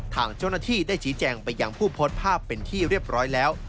ทางเจ้าหน้าที่ได้ชี้แจงไปยังผู้โพสต์ภาพเป็นที่เรียบร้อยแล้ว